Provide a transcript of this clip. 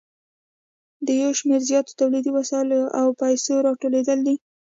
د یو شمېر زیاتو تولیدي وسایلو او پیسو راټولېدل دي